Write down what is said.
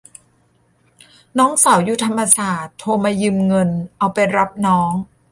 น้องสาวอยู่ธรรมศาสตร์โทรมายืมเงินเอาไปรับน้อง